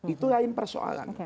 itu lain persoalan